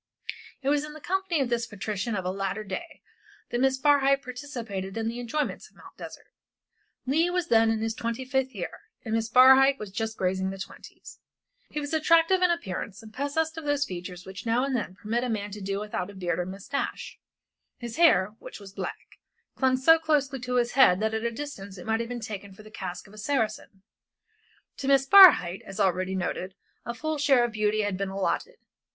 It was in the company of this patrician of a later day that Miss Barhyte participated in the enjoyments of Mt. Desert. Leigh was then in his twenty fifth year, and Miss Barhyte was just grazing the twenties. He was attractive in appearance, possessed of those features which now and then permit a man to do without beard or moustache, and his hair, which was black, clung so closely to his head that at a distance it might have been taken for the casque of a Saracen. To Miss Barhyte, as already noted, a full share of beauty had been allotted.